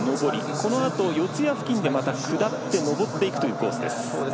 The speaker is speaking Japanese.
このあと四谷付近でまた下って上っていくというコースです。